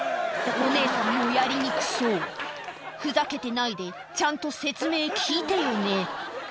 お姉さんもやりにくそうふざけてないでちゃんと説明聞いてよね